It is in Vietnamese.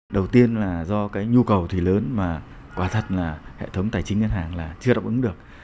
đầu tiên là do cái nhu cầu thì lớn mà quả thật là hệ thống tài chính ngân hàng là chưa đáp ứng được